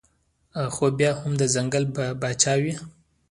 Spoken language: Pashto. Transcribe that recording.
خو بيا هم د ځنګل باچا وي